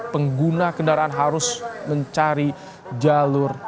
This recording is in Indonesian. pengguna kendaraan harus mencari jalur